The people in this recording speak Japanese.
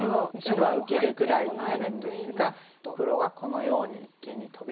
白は受けるくらいになるんですが黒はこのように一間にトビまして。